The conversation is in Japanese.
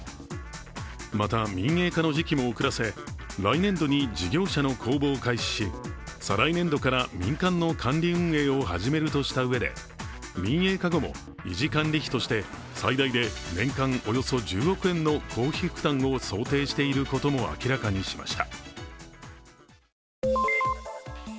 また、民営化の時期も遅らせ来年度に事業者の公募を開始し再来年度から民間の管理運営を始めるとしたうえで民営化後も維持管理費として最大で年間およそ１０億円の公費負担を想定していることも明らかにしました。